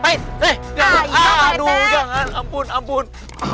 aduh jangan ampun ampun